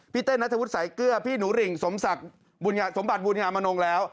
พี่เต้นณฑวุฒิสายเกลื้อพี่หนูริ่งสมบัติบุญงามนงแล้ว